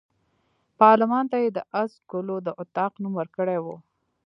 پارلمان ته یې د آس ګلو د اطاق نوم ورکړی وو.